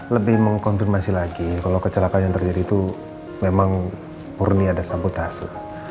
lebih mengkonfirmasi lagi kalau kecelakaan yang terjadi itu memang murni ada sabotase